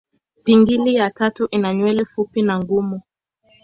Pingili ya tatu ina nywele fupi na ngumu.